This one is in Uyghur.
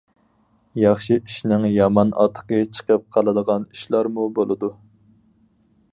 -ياخشى ئىشنىڭ يامان ئاتىقى چىقىپ قالىدىغان ئىشلارمۇ بولىدۇ.